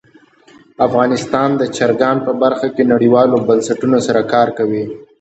افغانستان د چرګان په برخه کې نړیوالو بنسټونو سره کار کوي.